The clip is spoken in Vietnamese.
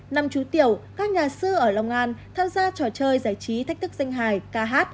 năm chú tiểu các nhà sư ở long an tham gia trò chơi giải trí thách thức danh hài ca hát